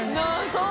そう。